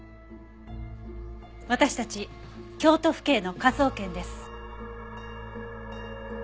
私たち京都府警の科捜研です。